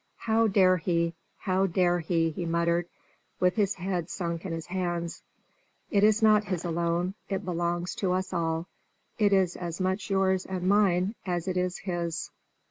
"How dare he? How dare he?" he muttered, with his head sunk in his hands. "It is not his alone. It belongs to us all. It is as much yours and mine as it is his."